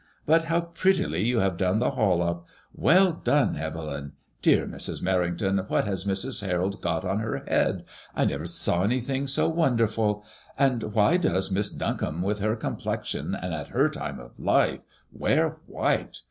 But how prettily you have done the hall up I Well done, Bvel}ml Dear Mrs. Merrington, what has Mrs. Harold got on her head? I never saw anything so won derful ; and why does Miss Duncombe, with her complexion, and at her time of life, wear white?